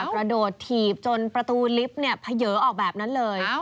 กระโดดถีบจนประตูลิฟต์เผยออกแบบนั้นเลย